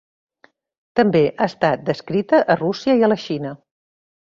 També ha estat descrita a Rússia i a la Xina.